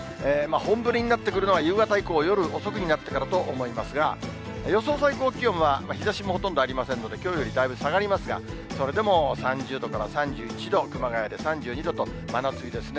本降りになってくるのは夕方以降、夜遅くなってからと思いますが、予想最高気温は日ざしもほとんどありませんので、きょうよりだいぶ下がりますが、それでも３０度から３１度、熊谷で３２度と、真夏日ですね。